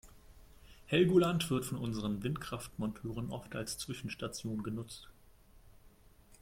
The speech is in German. Helgoland wird von unseren Windkraftmonteuren oft als Zwischenstation genutzt.